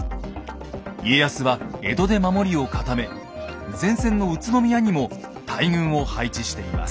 家康は江戸で守りを固め前線の宇都宮にも大軍を配置しています。